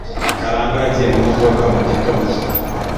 Karangwa yagiye mu modoka mu gitondo.